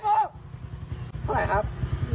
เท่าไหร่ครับ